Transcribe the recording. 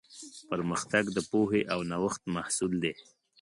پرمختګ د پوهې او نوښت محصول دی.